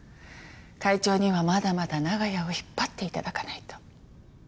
会長にはまだまだ長屋を引っ張って頂かないと。